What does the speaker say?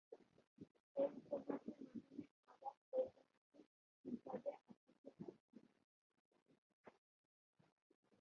এই উপন্যাসের মাধ্যমে আজাদ ঔপন্যাসিক হিসাবে আত্মপ্রকাশ করেন।